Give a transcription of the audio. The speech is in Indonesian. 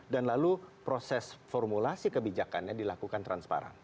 dan lalu proses formulasi kebijakannya dilakukan transparan